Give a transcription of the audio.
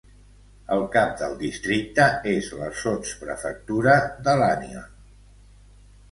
El cap del districte és la sotsprefectura de Lannion.